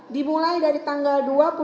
dimulai dari tanggal